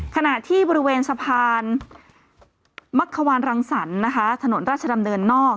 ขณะที่บริเวณสะพานมักขวานรังสรรค์นะคะถนนราชดำเนินนอก